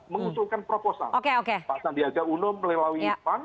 mengusulkan proposal pak sandiaga uno melalui pan